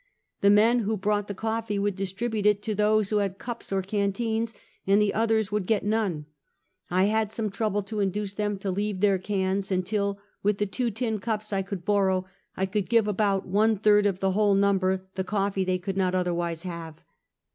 The men who brought the coffee would distribute it to those who had cups or canteens, and the others would get none. I had some trouble to induce them to leave their cans, until, with the two tin cups I could borrow, I could give about one third the whole num ber the coffee they could not otherwise have.